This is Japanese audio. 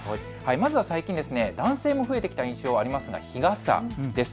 まずは最近、男性も増えてきた印象、ありますが日傘です。